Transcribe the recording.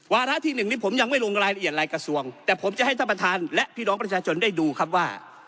ระที่หนึ่งนี้ผมยังไม่ลงรายละเอียดรายกระทรวงแต่ผมจะให้ท่านประธานและพี่น้องประชาชนได้ดูครับว่า